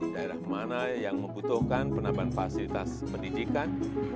daerah mana yang membutuhkan penambahan fasilitas pendidikan